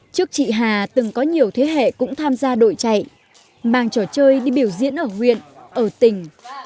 trước chị hà từng có nhiều thế hệ cũng tham gia đội chạy mang trò chơi đi biểu diễn ở huyện ở tỉnh